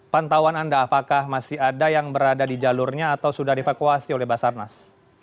pantauan anda apakah masih ada yang berada di jalurnya atau sudah dievakuasi oleh basarnas